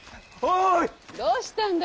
どうしたんだ